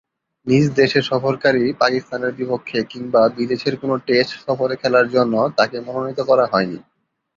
নিজ দেশে সফরকারী পাকিস্তানের বিপক্ষে কিংবা বিদেশের কোন টেস্ট সফরে খেলার জন্য তাকে মনোনীত করা হয়নি।